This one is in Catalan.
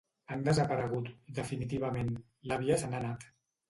Han desaparegut; definitivament, l'àvia se n'ha anat.